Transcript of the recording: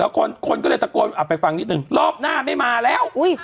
คนคนก็เลยตะโกนอ่ะไปฟังนิดนึงรอบหน้าไม่มาแล้วอุ้ย